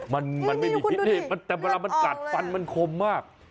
มันไม่มีพิษนี่แต่เวลามันกัดฟันมันคมมาก